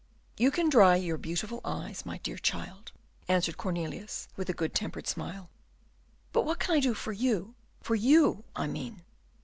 "You can dry your beautiful eyes, my dear child," answered Cornelius, with a good tempered smile. "But what can I do for you, for you I mean?"